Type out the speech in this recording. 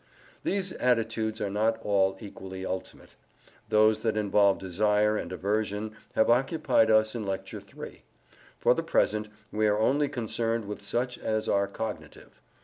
These attitudes are not all equally ultimate. Those that involve desire and aversion have occupied us in Lecture III. For the present, we are only concerned with such as are cognitive.